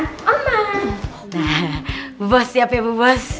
nah bos siap ya bu bos